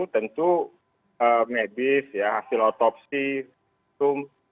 tentu medis hasil otopsi sum